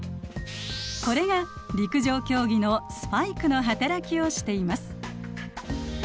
これが陸上競技のスパイクの働きをしています。